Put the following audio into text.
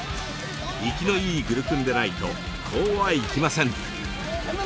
生きのいいグルクンでないとこうはいきません。